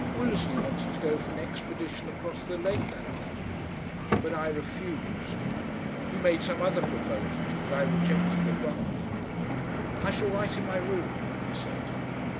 Willersley wanted to go for an expedition across the lake that afternoon, but I refused. He made some other proposals that I rejected abruptly. "I shall write in my room," I said.